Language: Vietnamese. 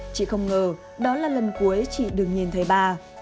chị không ngờ đó là lần cuối chị được nhìn thấy bà